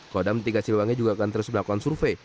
kodam tiga siliwangi juga akan terus melakukan survei